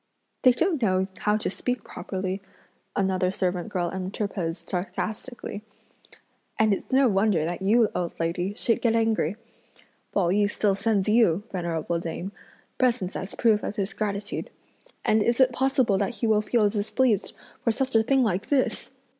"They don't know how to speak properly!" another servant girl interposed sarcastically, "and it's no wonder that you, old lady, should get angry! Pao yü still sends you, venerable dame, presents as a proof of his gratitude, and is it possible that he will feel displeased for such a thing like this?"